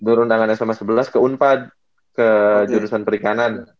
jalur undangan sma sebelas ke unpa ke jurusan perikanan